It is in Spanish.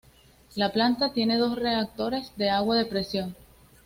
La planta tiene dos reactores de agua a presión.